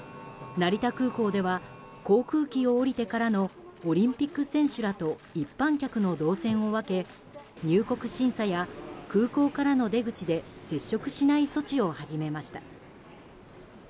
成田空港では航空機を降りてからのオリンピック選手らと一般客の動線を分け、入国審査や空港からの出口で接触しない措置を始めました。